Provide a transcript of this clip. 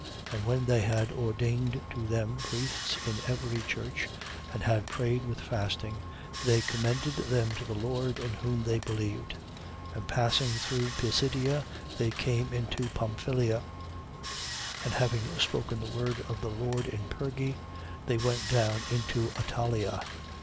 And when they had ordained to them priests in every church and had prayed with fasting, they commended them to the Lord, in whom they believed. 14:23. And passing through Pisidia, they came into Pamphylia. 14:24. And having spoken the word of the Lord in Perge, they went down into Attalia.